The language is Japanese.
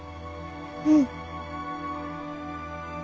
うん。